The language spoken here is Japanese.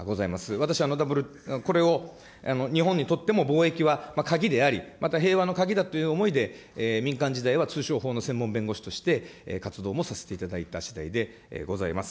私はこれを日本にとっても貿易は鍵であり、また平和の鍵だという思いで民間時代は通商法の専門弁護士として活動もさせていただいたしだいでございます。